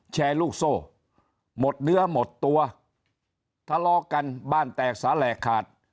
แชร์ลูกโซ่หมดเนื้อหมดตัวทะเลาะกันบ้านแตกสาแหลกขาด